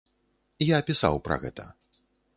Я пісаў пра гэта.